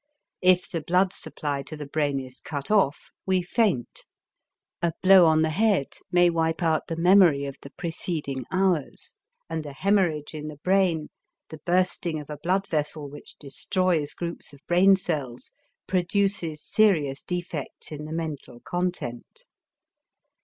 If the blood supply to the brain is cut off, we faint; a blow on the head may wipe out the memory of the preceding hours, and a hemorrhage in the brain, the bursting of a blood vessel which destroys groups of brain cells, produces serious defects in the mental content.